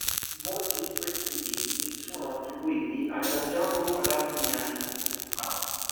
Molti di questi dipinti sono attribuiti a Giangiacomo Lampugnani.